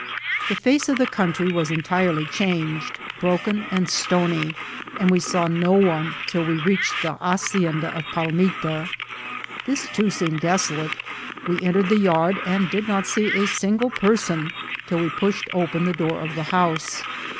The face of the country was entirely changed, broken and stony, and we saw no one till we reached the ha cienda of Palmita. This too seemed desolate. We entered the yard, and did not see a single person till JL LUCKY ESCAPE. 99 we pushed open the door of the house.